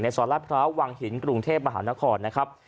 สอนราชพร้าววังหินกรุงเทพมหานครนะครับ